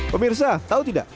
pemirsa tahu tidak